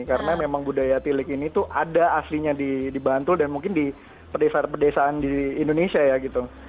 karena memang budaya tilik ini tuh ada aslinya di bantul dan mungkin di pedesaan pedesaan di indonesia ya gitu